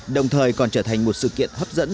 đồng thời còn trở thành một sự kiện hấp dẫn